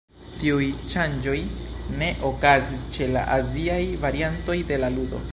Tiuj ŝanĝoj ne okazis ĉe la aziaj variantoj de la ludo.